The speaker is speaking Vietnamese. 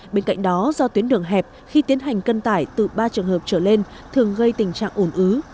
bên cạnh đó do tuyến đường hẹp khi tiến hành cân tải từ ba trường hợp trở lên thường gây tình trạng ổn ứ